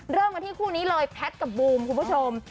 เริ่มกันที่คู่นี้เลยแพทย์กับบูมคุณผู้ชม